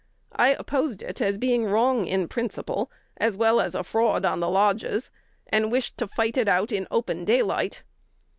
I opposed it as being wrong in principle, as well as a fraud on the lodges, and wished to fight it out in open daylight.